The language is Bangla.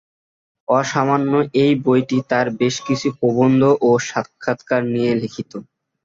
অসামান্য এই বইটি তার বেশ কিছু প্রবন্ধ ও সাক্ষাৎকার নিয়ে লিখিত।